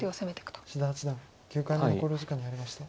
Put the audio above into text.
志田八段９回目の考慮時間に入りました。